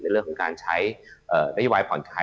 เรื่องของการใช้นโยบายผ่อนคลาย